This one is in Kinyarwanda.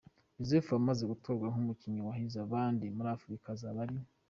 Joseph wamaze gutorwa nk’umukinnyi wahize abandi muri Afurika, azaba ari